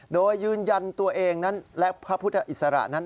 โดยยืนยันตัวเองนั้นและพระพุทธอิสระนั้น